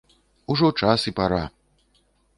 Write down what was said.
Ужо час і пара!